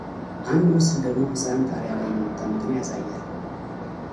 አንድ ምሥል ደግሞ ሕንጻ ጣሪያ ላይ የወጣ መኪና ያሳያል።